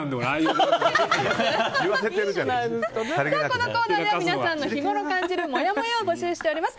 このコーナーでは皆さんの日頃感じるもやもやを募集しております。